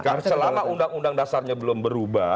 karena selama undang undang dasarnya belum berubah